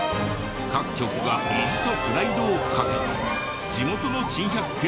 各局が意地とプライドをかけ地元の珍百景で勝負！